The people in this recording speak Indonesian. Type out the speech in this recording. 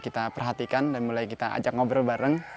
kita perhatikan dan mulai kita ajak ngobrol bareng